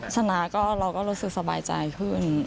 ชนะก็เราก็รู้สึกสบายใจขึ้น